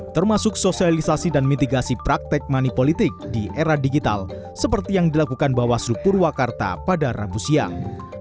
termasuk sosialisasi dan mitigasi praktek manipolitik di era digital seperti yang dilakukan bawaslu purwakarta pada rabu siang